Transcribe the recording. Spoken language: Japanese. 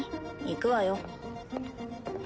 行くわよ。